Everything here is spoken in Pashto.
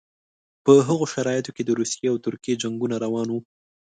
په هغو شرایطو کې د روسیې او ترکیې جنګونه روان وو.